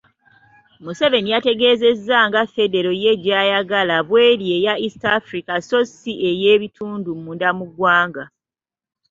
Museveni yategeezezza nga Federo ye gy'ayagala bw'eri eya East Africa so ssi ey’ebitundu munda mu ggwanga.